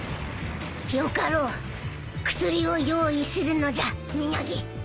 よかろう薬を用意するのじゃミヤギ。